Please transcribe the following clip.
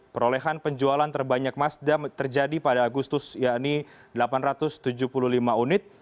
perolehan penjualan terbanyak mazdam terjadi pada agustus yakni delapan ratus tujuh puluh lima unit